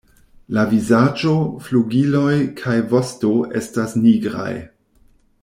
La vizaĝo, flugiloj kaj vosto estas nigraj.